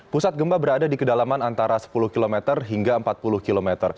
pusat gempa berada di kedalaman antara sepuluh km hingga empat puluh km